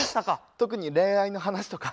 特に恋愛の話とか。